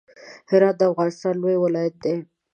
هرات د افغانستان لوی ولایت دی.